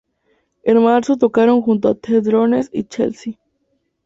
En marzo tocaron junto a The Drones y Chelsea.